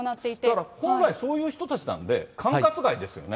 だから本来、そういう人たちなんで、管轄外ですよね。